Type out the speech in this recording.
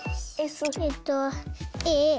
えっとａ。